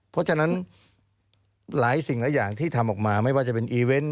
เพราะฉะนั้นหลายสิ่งหลายอย่างที่ทำออกมาไม่ว่าจะเป็นอีเวนต์